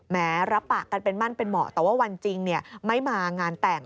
แม้รับปากกันเป็นมั่นเป็นเหมาะแต่ว่าวันจริงไม่มางานแต่ง